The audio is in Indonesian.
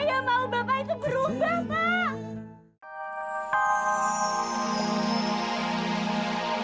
yang mau bapak itu berubah pak